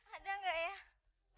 ada gak ya